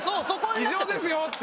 異常ですよ！って。